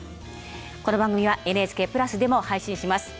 この番組はＮＨＫプラスでも配信します。